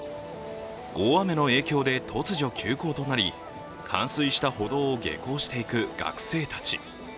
大雨の影響で、突如休校となり冠水した歩道を下校していく学生たち。